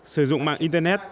sử dụng mạng internet